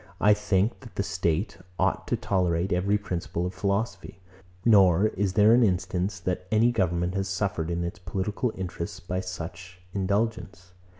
I think, that the state ought to tolerate every principle of philosophy; nor is there an instance, that any government has suffered in its political interests by such indulgence.